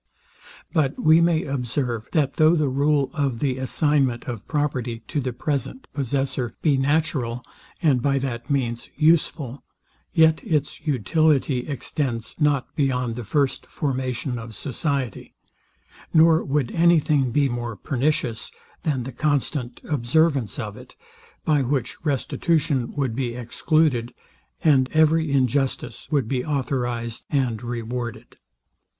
But we may observe, that though the rule of the assignment of property to the present possessor be natural, and by that means useful, yet its utility extends not beyond the first formation of society; nor would any thing be more pernicious, than the constant observance of it; by which restitution would be excluded, and every injustice would be authorized and rewarded.